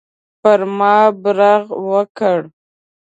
پر ما برغ وکړه.